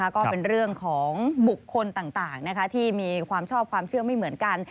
ก็เป็นเรื่องของบุคคลต่างที่มีความชอบความเชื่อไม่เหมือนกัน